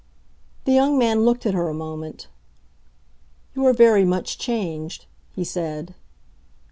The young man looked at her a moment. "You are very much changed," he said.